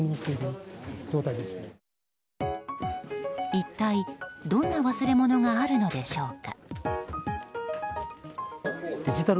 一体どんな忘れ物があるのでしょうか。